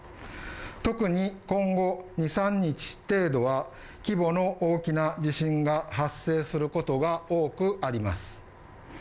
特に、今後２３日程度は、規模の大きな地震が発生することが多くあります。